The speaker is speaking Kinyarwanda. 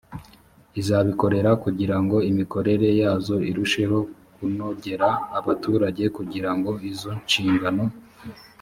iz abikorera kugira ngo imikorere yazo irusheho kunogera abaturage kugira ngo izo nshingano